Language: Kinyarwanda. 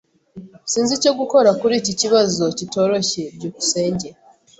Sinzi icyo gukora kuri iki kibazo kitoroshye. byukusenge